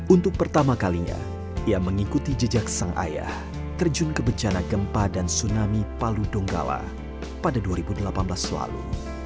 untuk pertama kalinya ia mengikuti jejak sang ayah terjun ke bencana gempa dan tsunami palu donggala pada dua ribu delapan belas lalu